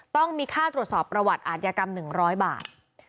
ต้องมีค่าตรวจสอบประวัติอาทยากรรม๑๐๐บาท